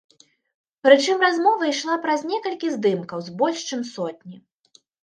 Прычым размова ішла пра некалькі здымкаў з больш чым сотні.